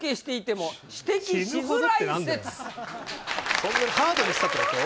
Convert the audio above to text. そんなにハードにしたってこと？